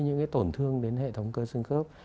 những cái tổn thương đến hệ thống cơ xương khớp